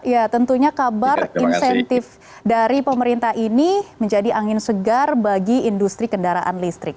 ya tentunya kabar insentif dari pemerintah ini menjadi angin segar bagi industri kendaraan listrik